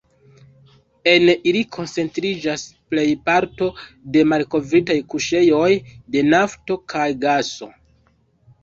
En ili koncentriĝas plejparto de malkovritaj kuŝejoj de nafto kaj gaso.